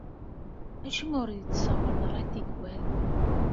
Acimi ur iyi-d-tsawaleḍ ara tikkwal?